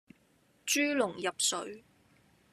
豬籠入水